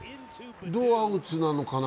どうアウツなのかな？